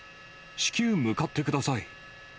至急、向かってください。